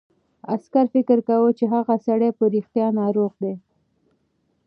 عسکر فکر کاوه چې هغه سړی په رښتیا ناروغ دی.